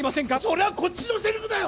それはこっちのセリフだよ！